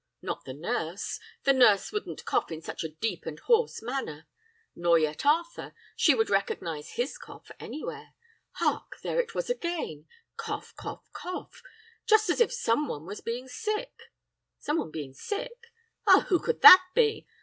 Not the nurse! The nurse wouldn't cough in such a deep and hoarse manner! nor yet Arthur; she would recognise his cough anywhere. Hark! there it was again cough! cough! cough! just as if some one was being sick. Someone being sick! Ah! who could that someone be?